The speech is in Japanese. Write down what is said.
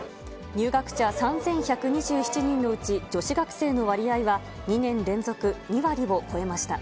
入学者３１２７人のうち、女子学生の割合は２年連続２割を超えました。